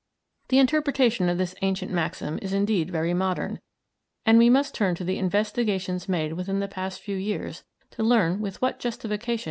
The interpretation of this ancient maxim is indeed very modern, and we must turn to the investigations made within the past few years to learn with what justification M.